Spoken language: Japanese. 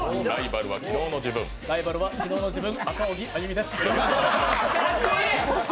ライバルは昨日の自分、赤荻歩です